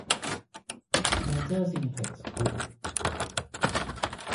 เมเจอร์ ซีนีเพล็กซ์ กรุ้ป